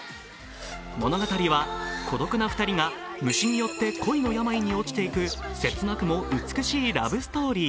物語は孤独な２人が虫によって恋の病に落ちていく切なくも美しいラブストーリー。